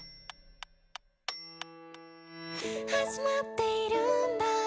「始まっているんだ